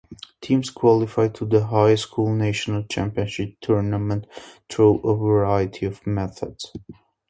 Teams qualify to the High School National Championship Tournament through a variety of methods.